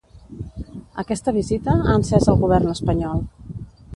Aquesta visita ha encès el govern espanyol.